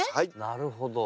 なるほど。